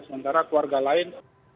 sementara keluarga lain